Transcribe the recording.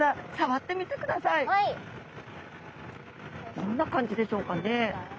どんな感じでしょうかね？